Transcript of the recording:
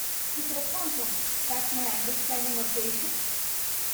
His response was: "That's my understanding of the issue,".